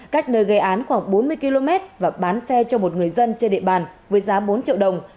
cách nơi gây án khoảng bốn mươi km và bán xe cho một người dân trên địa bàn với giá bốn triệu đồng